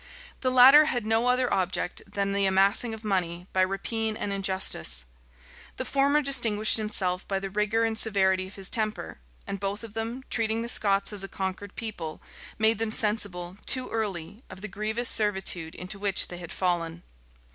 The latter had no other object than the amassing of money by rapine and injustice: the former distinguished himself by the rigor and severity of his temper: and both of them, treating the Scots as a conquered people, made them sensible, too early, of the grievous servitude into which they had fallen.